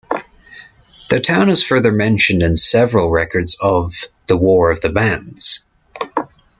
The town is further mentioned in several records of the War of the Bands.